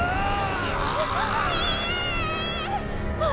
⁉あ！